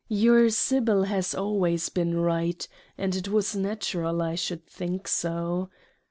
Your Sibyl has always been right, and it was natural I should think so.